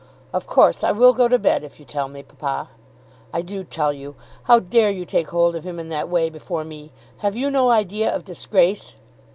"] "Of course I will go to bed, if you tell me, papa." "I do tell you. How dare you take hold of him in that way before me! Have you no idea of disgrace?"